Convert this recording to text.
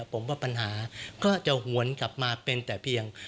ผมว่าปัญหาก็จะหวนกลับมาเป็นแต่เพียง